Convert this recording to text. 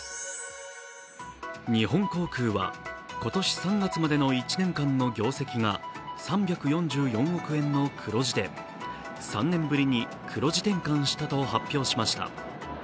日本航空は今年３月までの１年間の業績が３４４億円の黒字で、３年ぶりに黒字転換したと発表しました。